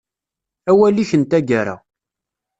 Awal-ik n taggara.